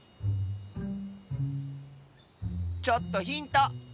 ちょっとヒント。